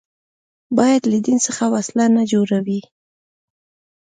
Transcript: باید له دین څخه وسله نه جوړوي